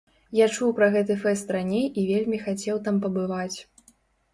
Я чуў пра гэты фэст раней і вельмі хацеў там пабываць.